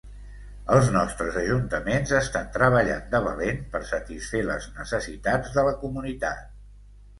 Els nostres ajuntaments estan treballant de valent per satisfer les necessitats de la comunitat.